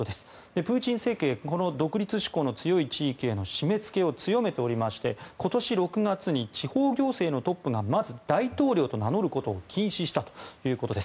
プーチン政権この独立志向の強い地域への締め付けを強めておりまして今年６月に地方行政のトップがまず大統領と名乗ることを禁止したということです。